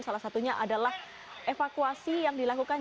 salah satunya adalah evakuasi yang dilakukan